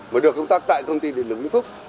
và được công tác tại công ty điện lực nguyễn phúc